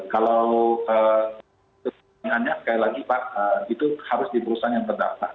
kalau kepentingannya sekali lagi pak itu harus di perusahaan yang terdaftar